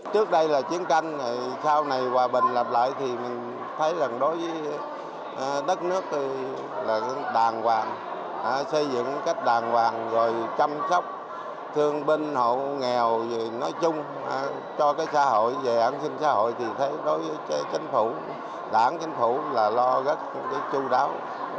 nói chung cho cái xã hội về ảnh sinh xã hội thì thế đối với chính phủ đảng chính phủ là lo rất chú đáo